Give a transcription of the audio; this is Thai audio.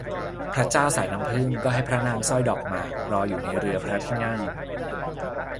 พระเจ้าสายน้ำผึ้งก็ให้พระนางสร้อยดอกหมากรออยู่ในเรือพระที่นั่ง